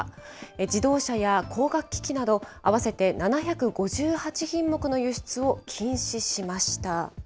自動車や光学機器など、合わせて７５８品目の輸出を禁止しました。